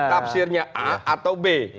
tafsirnya a atau b